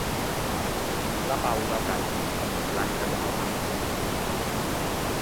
La Paula calla, blanca com el marbre.